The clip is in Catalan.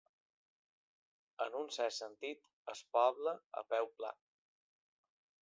En un cert sentit, el poble, a peu pla.